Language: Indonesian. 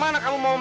mari kita tukar lu